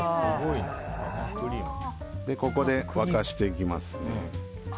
ここで沸かしていきますね。